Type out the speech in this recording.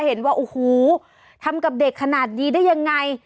เห็นว่าโอ้โหทำกับเด็กขนาดนี้ได้ยังไง